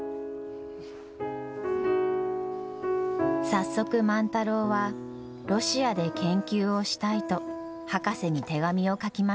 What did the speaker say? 早速万太郎はロシアで研究をしたいと博士に手紙を書きました。